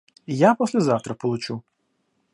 Я послезавтра получу.